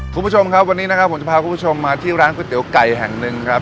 คุณผู้ชมครับวันนี้นะครับผมจะพาคุณผู้ชมมาที่ร้านก๋วยเตี๋ยวไก่แห่งหนึ่งครับ